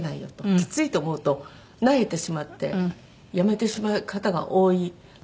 きついと思うとなえてしまってやめてしまう方が多いらしいんですね。